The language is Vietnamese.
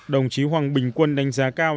đồng chí hoàng bình quân đánh giá cao